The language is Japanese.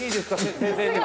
先生にも。